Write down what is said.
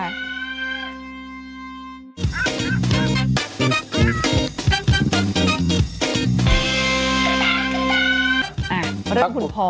แล้วเรื่องคุณพอ